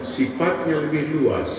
sifatnya lebih luas